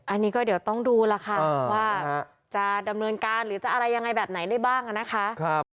อันนี้ก็เดี๋ยวต้องดูล่ะค่ะว่าจะดำเนินการหรือจะอะไรยังไงแบบไหนได้บ้างนะคะ